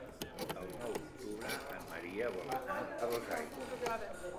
El nou d'octubre en Maria vol anar a Dosaigües.